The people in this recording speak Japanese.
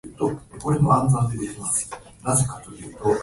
結婚したのか、俺以外のやつと